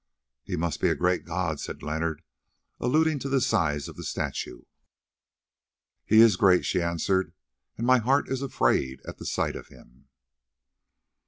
"He must be a great god," said Leonard, alluding to the size of the statue. "He is great," she answered, "and my heart is afraid at the sight of him."